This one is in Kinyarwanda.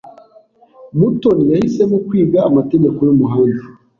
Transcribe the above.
Mutoni yahisemo kwiga amategeko y’umuhanda.